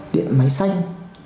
điện máy xanh